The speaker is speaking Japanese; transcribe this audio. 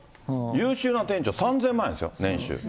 優秀な店長、３０００万円ですよ、年収。